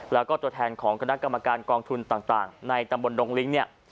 แล้วก็ตัวแทนของคณะกรรมการกองทุนต่างในตำบลดงลิ้งเนี่ย